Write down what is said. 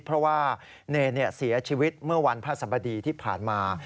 เพราะว่าเนรเสียชีวิตเมื่อวันพระสบดีที่ผ่านมา